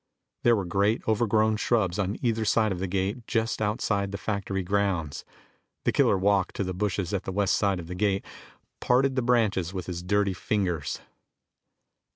There were great overgrown shrubs on either side of the gate just outside the factory grounds. The killer walked to the bushes at the west side of the gate, parted the branches with his dirty fingers.